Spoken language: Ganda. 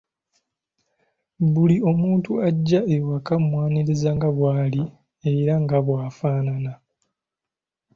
Buli omuntu ajja awaka mwanirize nga bwali era nga bwafaanana.